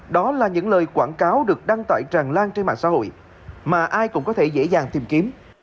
đó là những lời quảng cáo được đăng tải tràn lan trên mạng xã hội mà ai cũng có thể dễ dàng tìm kiếm